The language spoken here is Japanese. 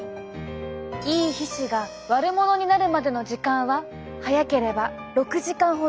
いい皮脂が悪者になるまでの時間は早ければ６時間ほど。